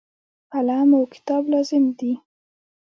قلم او کتاب لازم دي.